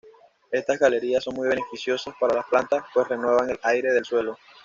Estas galerías son muy beneficiosas para las plantas, pues renuevan el aire del suelo.